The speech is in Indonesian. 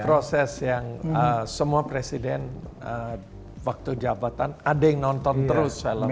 proses yang semua presiden waktu jabatan ada yang nonton terus film